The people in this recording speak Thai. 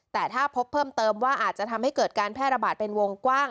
แต่ถ้าพบเพิ่มเติมว่าอาจจะทำให้เกิดการแพร่ระบาดเป็นวงกว้าง